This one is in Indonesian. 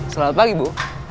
selamat pagi bu